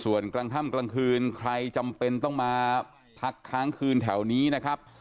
ส่วนกลางค่ำกลางคืนใครจำเป็นต้องมาพักค้างคืนแถวนี้นะครับ